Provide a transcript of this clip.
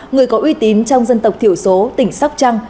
người có uy tín trong dân tộc thiểu số tỉnh sóc trăng